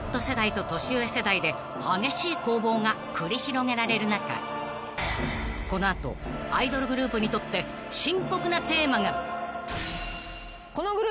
［激しい攻防が繰り広げられる中この後アイドルグループにとって深刻なテーマが］